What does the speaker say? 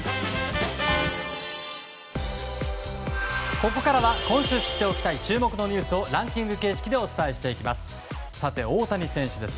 ここからは今週知っておきたい注目のニュースをランキング形式でお伝えしていきます。